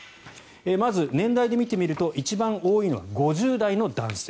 まず、年代で見てみると一番多いのは５０代の男性。